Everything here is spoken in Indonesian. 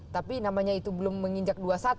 tapi namanya itu belum menginjak dua tiga kali ya